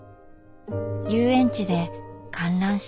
遊園地で観覧車。